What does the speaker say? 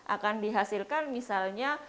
akan dihasilkan misalnya